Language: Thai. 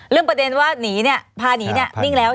เรื่องประเด็นว่าผ่านหนีเนี่ยนิ่งแล้วใช่ไหม